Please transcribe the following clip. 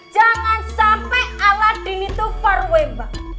jangan sampai aladin itu far away mbak